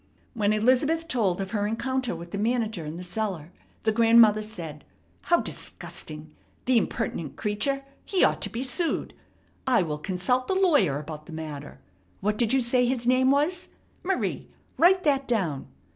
When Elizabeth told of her encounter with the manager in the cellar, the grandmother said: "How disgusting! The impertinent creature! He ought to be sued. I will consult the lawyer about the matter. What did you say his name was? Marie, write that down.